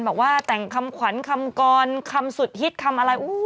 บอกว่าแต่งคำขวัญคำกรคำสุดฮิตคำอะไร